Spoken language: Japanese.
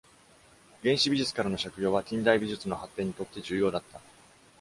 原始美術からの借用は、近代美術の発展にとって重要だった。